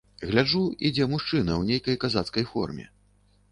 Гляджу, ідзе мужчына ў нейкай казацкай форме.